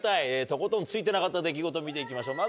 とことんツイてなかった出来事見て行きましょう